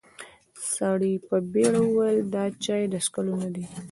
سړي په بيړه وويل: دا چای د څښلو نه دی.